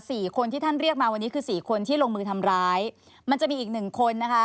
สี่คนที่ท่านเรียกมาวันนี้คือสี่คนที่ลงมือทำร้ายมันจะมีอีกหนึ่งคนนะคะ